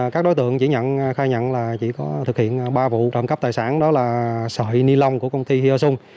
các đối tượng đã khai nhận chỉ có thực hiện ba vụ trộm cắp tài sản đó là sợi nilon của công ty hyosung